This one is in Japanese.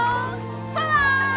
パワー！